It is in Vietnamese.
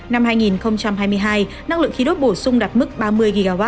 năm hai nghìn hai mươi hai năng lượng khí đốt bổ sung đạt mức ba mươi gigawat